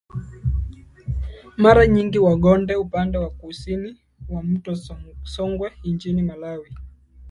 Mara nyingi Wagonde upande wa kusini ya mto Songwe nchini Malawi